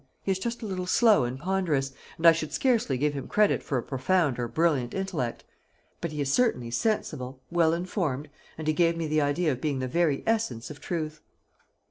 He is just a little slow and ponderous, and I should scarcely give him credit for a profound or brilliant intellect; but he is certainly sensible, well informed, and he gave me the idea of being the very essence of truth."